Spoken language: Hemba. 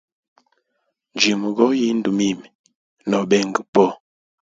Njimugoya indu mimi nobenga po.